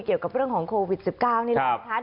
เกี่ยวกับเรื่องของโควิด๑๙นี่แหละนะคะ